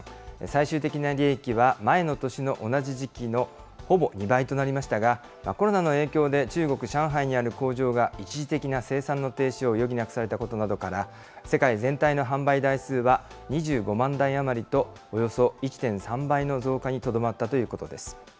最終的な利益は前の年の同じ時期のほぼ２倍となりましたが、コロナの影響で、中国・上海にある工場が一時的な生産の停止を余儀なくされたことなどから、世界全体の販売台数は２５万台余りと、およそ１．３倍の増加にとどまったということです。